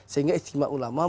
sehingga ijtima ulama